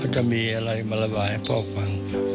จะมีอะไรมาราบายผ่อง